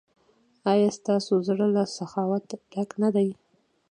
ایا ستاسو زړه له سخاوت ډک نه دی؟